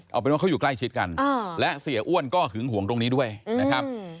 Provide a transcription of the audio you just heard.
เอาเป็นว่าเขาอยู่ใกล้ชิดกันและเสียอ้วนก็หึงห่วงตรงนี้ด้วยนะครับ